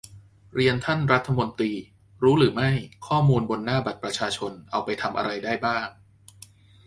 เรียนท่านรัฐมนตรี รู้หรือไม่ ? ข้อมูลบน 'หน้าบัตรประชาชน' เอาไปทำอะไรได้บ้าง